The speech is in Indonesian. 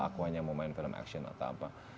aku hanya mau main film action atau apa